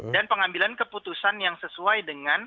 dan pengambilan keputusan yang sesuai dengan kualitas